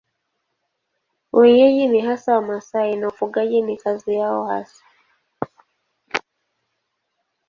Wenyeji ni hasa Wamasai na ufugaji ni kazi yao hasa.